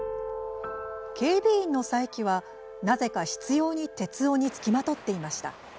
警備員の佐伯はなぜか執ように徹生に付きまとっていました。